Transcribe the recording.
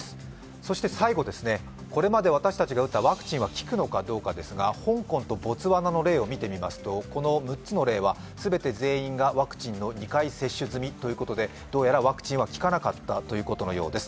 そして最後、これまで私たちが打ったワクチンが効くのかどうかですが香港とボツワナの例を見てますと、この６つの例は、ワクチン接種済みということでどうやらワクチンは効かなかったということのようです。